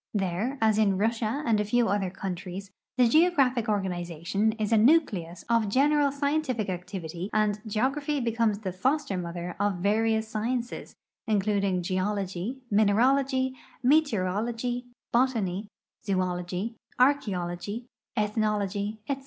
There, as in Russia and a few other countries, the geographic organization is a nucleus of general scientific activity, and geography becomes tbe foster mother of various sciences, including geology, mineralogy, meteorology, botany, zoology, archeology, ethnology, etc.